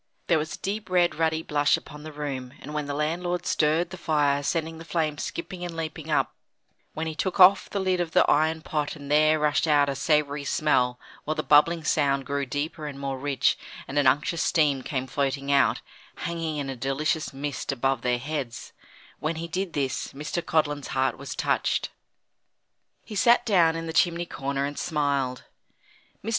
There was a deep red ruddy blush upon the room, and when the landlord stirred the fire, sending the flame skipping and leaping up when he took off the lid of the iron pot and there rushed out a savoury smell, while the bubbling sound grew deeper and more rich, and an unctuous steam came floating out, hanging in a delicious mist above their heads when he did this, Mr. Codlin's heart was touched. He sat down in the chimney corner and smiled. Mr.